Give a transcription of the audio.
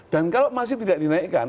dan kalau masih tidak dinaikkan